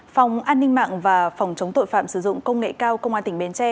phòng an ninh mạng và phòng chống tội phạm sử dụng công nghệ cao công an tỉnh bến tre